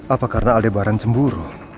apa karena aldebaran cemburu